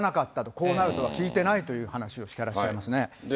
こうなるとは聞いてないという話をしてらっしゃいますね。